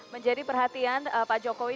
menjadi perhatian pak jokowi